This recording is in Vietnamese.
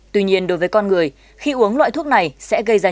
tuy nhiên đối với con người khi uống loại thuốc này sẽ gây ra những nguy hiểm